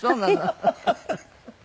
ハハハハ！